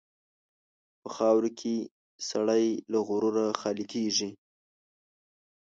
په خاوره کې سړی له غروره خالي کېږي.